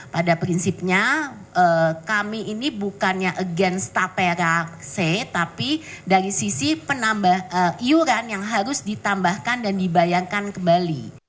pada prinsipnya kami ini bukannya against tapera c tapi dari sisi iuran yang harus ditambahkan dan dibayangkan kembali